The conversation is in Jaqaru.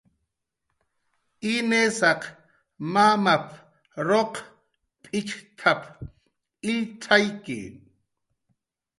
"Inisaq mamap"" ruq p'itxt""ap illtzakyi"